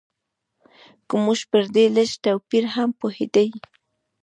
که موږ پر دې لږ توپیر هم پوهېدای.